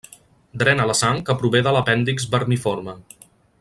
Drena la sang que prové de l'apèndix vermiforme.